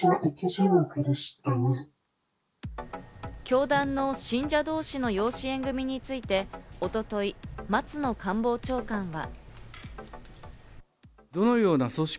教団の信者同士の養子縁組について、一昨日、松野官房長官は。